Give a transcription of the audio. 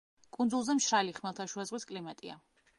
კუნძულზე მშრალი ხმელთაშუაზღვის კლიმატია.